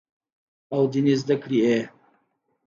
او ديني زدکړې ئې